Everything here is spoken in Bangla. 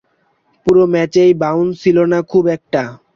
পুরো ম্যাচেই বাউন্স ছিল না খুব একটা।